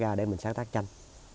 và xác ra để mình sáng tác tranh